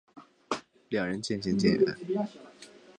两人渐行渐远